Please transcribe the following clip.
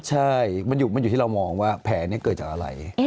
ใช่มันอยู่ที่เรามองว่าแผลนี้เกิดจากอะไร